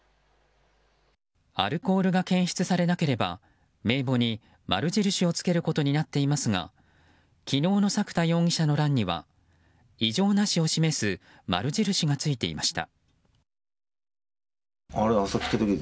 アルコールが検出されなければ名簿に丸印をつけることになっていますが昨日の作田容疑者の欄には異常なしを示す丸印がついていました。